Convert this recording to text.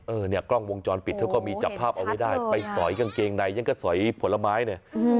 เออเนี่ยกล้องวงจรปิดเขาก็มีจับภาพเอาไว้ได้ไปสอยกางเกงในยังก็สอยผลไม้เนี่ย